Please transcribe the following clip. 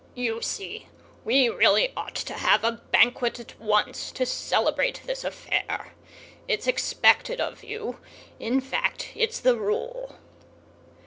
You see, we really ought to have a Banquet at once, to celebrate this affair. It's expected of you—in fact, it's the rule."